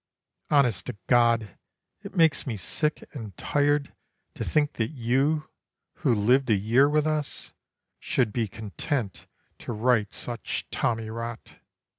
Honest to God, it makes me sick and tired To think that you, who lived a year with us, Should be content to write such tommy rot.